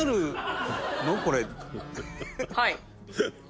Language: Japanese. はい。